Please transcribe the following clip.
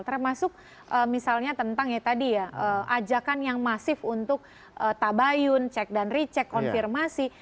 termasuk misalnya tentang ya tadi ya ajakan yang masif untuk tabayun cek dan recheck konfirmasi